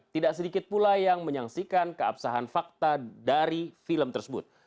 tidak sedikit pula yang menyaksikan keabsahan fakta dari film tersebut